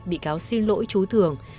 bị cáo xin lỗi chú thường